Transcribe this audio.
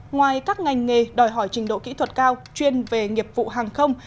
ngoài các ngành nghề đòi hỏi trình độ kỹ thuật cao chuyên về nghiệp vụ hàng không